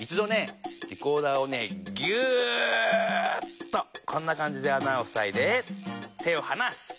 一どねリコーダーをねギューッとこんなかんじであなをふさいで手をはなす。